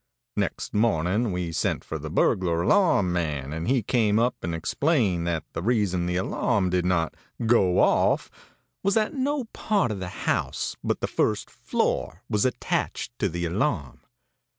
Next morning we sent for the burglar alarm man, and he came up and explained that the reason the alarm did not 'go off' was that no part of the house but the first floor was attached to the alarm.